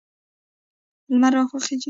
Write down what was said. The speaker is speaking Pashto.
لمر راخیږي